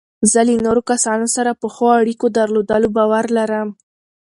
زه له نورو کسانو سره پر ښو اړیکو درلودلو باور لرم.